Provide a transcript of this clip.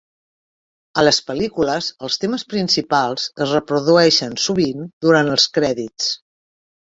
A les pel·lícules, els temes principals es reprodueixen sovint durant els crèdits.